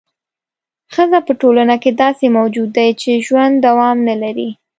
ښځه په ټولنه کې داسې موجود دی چې ژوند دوام نه لري.